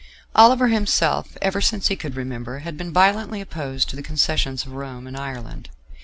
Oliver himself, ever since he could remember, had been violently opposed to the concessions to Rome and Ireland.